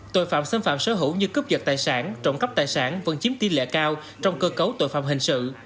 tội phạm xâm phạm sở hữu như cướp dật tài sản trộm cắp tài sản vẫn chiếm tỷ lệ cao trong cơ cấu tội phạm hình sự